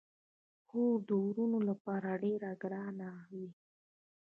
خور د وروڼو لپاره ډیره ګرانه وي.